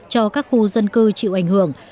cho các khu dân cư chịu ảnh hưởng